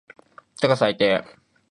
てか最低